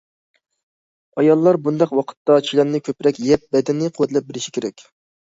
ئاياللار بۇنداق ۋاقىتتا چىلاننى كۆپرەك يەپ، بەدەننى قۇۋۋەتلەپ بېرىشى كېرەك.